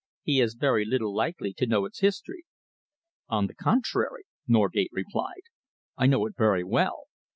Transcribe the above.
He is very little likely to know its history." "On the contrary," Norgate replied, "I know it very well.